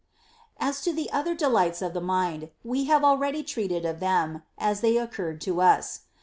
13. As to the other delights of the mind, we have already treated of them, as they occurred to us.